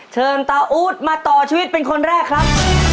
เชิญตาอู๊ดมาต่อชีวิตเป็นคนแรกครับ